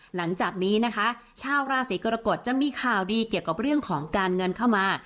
หลังจากนี้นะคะชาวราศีกรกฎจะมีข่าวดีเกี่ยวกับเรื่องของการเงินเข้ามา